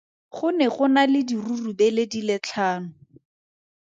Go ne go na le dirurubele di le tlhano.